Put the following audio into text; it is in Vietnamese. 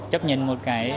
chấp nhận một cái